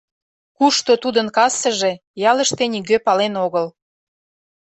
Кушто тудын кассыже, ялыште нигӧ пален огыл.